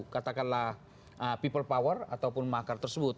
karena itu adalah kekuasaan orang atau makar tersebut